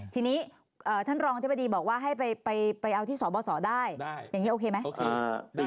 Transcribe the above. ทีนี้ท่านรองศีลปฏิบัติบอกว่าให้ไปเอาที่สตบสตได้คุณเป็นไหมคะ